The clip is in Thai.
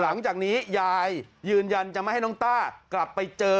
หลังจากนี้ยายยืนยันจะไม่ให้น้องต้ากลับไปเจอ